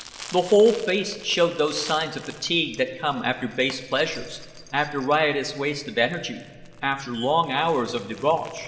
The whole face showed those signs of fatigue that come after base pleasures, after riotous waste of energy, after long hours of debauch.